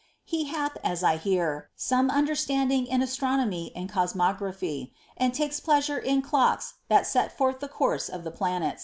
He baih. aa I beat, some undc [Standing in aslronomy and cotmoijrapliy, and taLes pleasure in clocbi ibat cet forth the couiM of tlM planet).